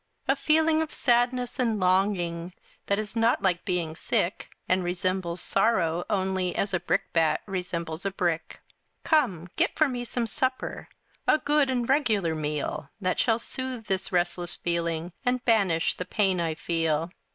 A feeling of sadness and longing That is not like being sick, And resembles sorrow only As a brickbat resembles a brick. Come, get for me some supper, A good and regular meal That shall soothe this restless feeling, And banish the pain I feel.